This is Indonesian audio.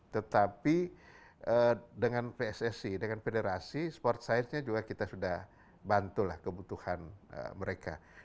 tetapi dengan pssi dengan federasi sport science nya juga kita sudah bantulah kebutuhan mereka